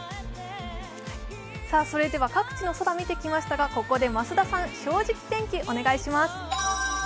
各地の空を見てきましたが、ここで増田さん、「正直天気」お願いします。